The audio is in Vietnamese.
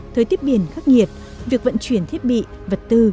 thời tiết biển khắc nghiệt việc vận chuyển thiết bị vật tư